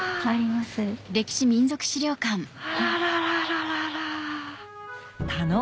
あらららららら。